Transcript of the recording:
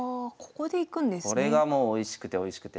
これがもうおいしくておいしくて。